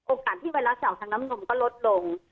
โอกาสที่ไวรัสจะออกทางน้ำนมก็ลดลง